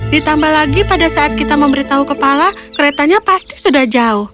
ditambah lagi pada saat kita memberitahu kepala keretanya pasti sudah jauh